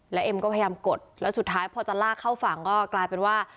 แล้วเอ็มก็พยายามกดแล้วสุดท้ายพอจะลากเข้าฝั่งก็กลายเป็นว่า